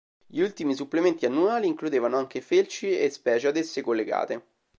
Gli ultimi supplementi annuali includevano anche felci e specie ad esse collegate.